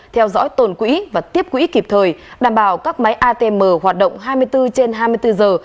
theo dõi tồn quỹ và tiếp quỹ kịp thời đảm bảo các máy atm hoạt động hai mươi bốn trên hai mươi bốn giờ